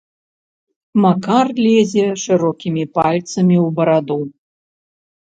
Макар лезе шырокімі пальцамі ў бараду.